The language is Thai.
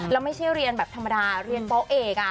แล้วไม่ใช่เรียนแบบธรรมดาเรียนปเอก